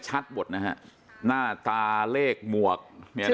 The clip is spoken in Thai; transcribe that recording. ชัดหมดทั้งหมดนะคะหน้าตาเลขห่วง